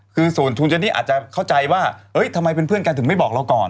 คือส่วนคุณเจนี่อาจจะเข้าใจว่าทำไมเป็นเพื่อนกันถึงไม่บอกเราก่อน